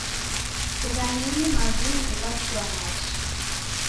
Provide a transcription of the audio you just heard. Zighanenyi maw'ingu ghachua machu.